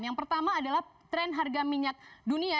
yang pertama adalah tren harga minyak dunia